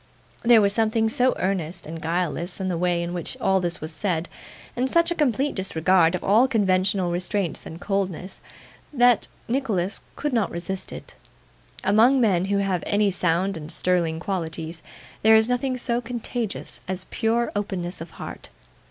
There was something so earnest and guileless in the way in which all this was said, and such a complete disregard of all conventional restraints and coldnesses, that Nicholas could not resist it. Among men who have any sound and sterling qualities, there is nothing so contagious as pure openness of heart.